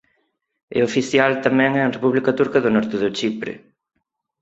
É oficial tamén en República Turca do Norte de Chipre.